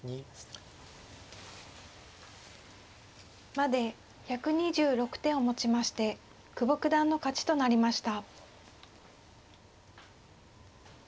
まで１２６手をもちまして久保九段の勝ちとなりました。